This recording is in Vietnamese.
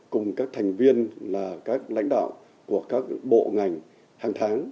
cùng các thành viên là các lãnh đạo của các bộ ngành hàng tháng